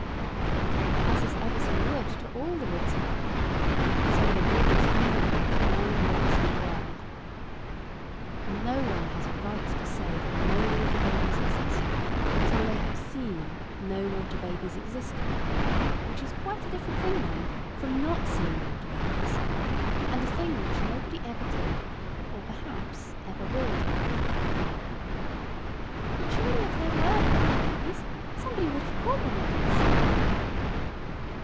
And as is Eversley Wood to all the woods in England, so are the waters we know to all the waters in the world. And no one has a right to say that no water babies exist, till they have seen no water babies existing; which is quite a different thing, mind, from not seeing water babies; and a thing which nobody ever did, or perhaps ever will do. [Picture: Water baby] "But surely if there were water babies, somebody would have caught one at least?"